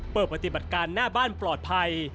เปิดปฏิบัติการหน้าบ้านปลอดภัย